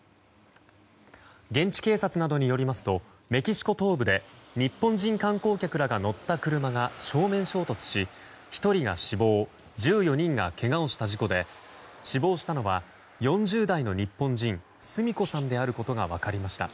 現地警察などによりますとメキシコ東部で日本人観光客らが乗った車が正面衝突し１人が死亡１４人がけがをした事故で死亡したのは４０代の日本人スミコさんであることが分かりました。